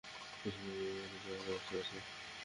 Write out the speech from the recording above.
পিছনে কি বাইরে যাওয়ার রাস্তা আছে?